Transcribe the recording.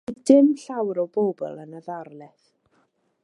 Doedd dim llawer o bobl yn y ddarlith.